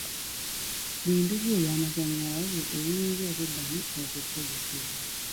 Bintu ki eby'amasannyalaze ebiyinza okuddamu okukozesebwa?